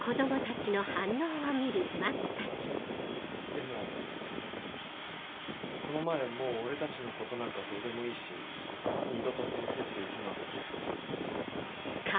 でもこの前もう俺たちのことなんかどうでもいいし二度と先生って呼ぶなって。